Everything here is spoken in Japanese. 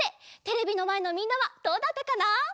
テレビのまえのみんなはどうだったかな？